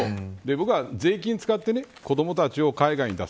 僕は税金を使って子どもたちを海外に出す。